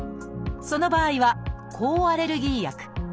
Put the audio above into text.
その場合は抗アレルギー薬。